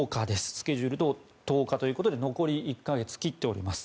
スケジュールが１０日ということで残り１か月を切っております。